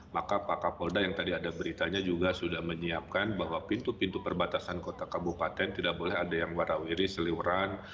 maka pak kapolda yang tadi ada beritanya juga sudah menyiapkan bahwa pintu pintu perbatasan kota kabupaten tidak boleh ada yang warawiri seliuran